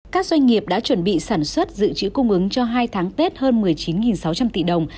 các doanh nghiệp đã chuẩn bị sản xuất dự trữ cung ứng cho hai tháng tết hơn một mươi chín sáu trăm linh tỷ đồng